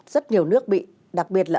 rất nhiều nước bị đặc biệt là